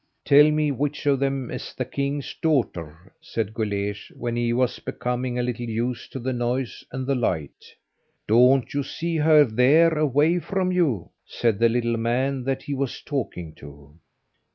"Tell me which of them is the king's daughter," said Guleesh, when he was becoming a little used to the noise and the light. "Don't you see her there away from you?" said the little man that he was talking to.